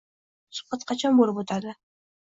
Suhbat qachon bo'lib o'tadi.